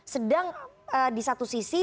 sedang di satu sisi